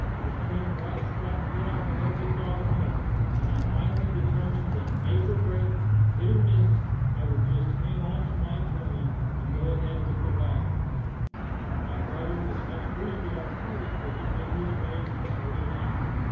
It came right slap down on every thought of home; and I finally determined that make or break, hit or miss, I would just hang on to my journey, and go ahead with the waggoner. My brother was much grieved at our parting, but he went his way, and so did I.